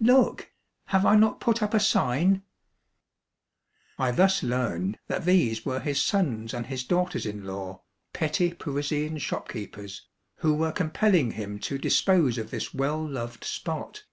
Look ! Have I not put up a sign ?" I thus learned that these were his sons and his daughters in law, petty Parisian shopkeepers, who were compelling him to dispose of this well loved spot.